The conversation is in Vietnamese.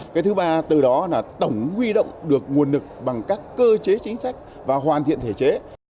cái thứ ba từ đó là tổng huy động được nguồn lực bằng các cơ chế chính sách và hoàn thiện thể chế